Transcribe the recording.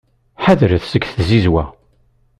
Ḥadret seg tzizwa.